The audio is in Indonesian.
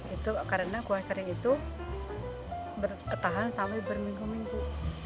itu karena kue kering itu bertahan sampai berminggu minggu